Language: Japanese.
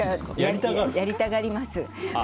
やりたがります。